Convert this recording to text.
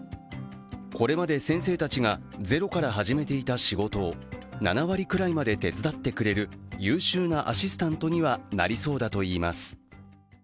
これまで先生たちがゼロから始めていた仕事を７割くらいまで手伝ってくれる優秀なアシスタントにはなりそうだといいます。